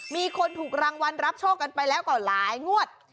มีคนถูกรางวัลรับโชคกันไปแล้วก็หลายงวด